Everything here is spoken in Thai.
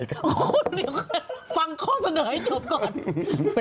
เดี๋ยวฟังข้อเสนอให้จบก่อน